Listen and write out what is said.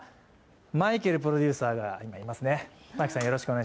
マイケルプロデューサーが今、いますね。